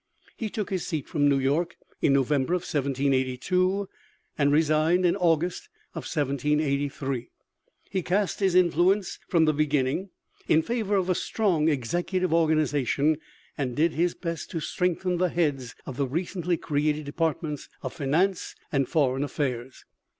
He took his seat from New York in November, 1782, and resigned in August, 1783. He cast his influence from the beginning in favor of a strong executive organization, and did his best to strengthen the heads of the recently created departments of finance and foreign affairs.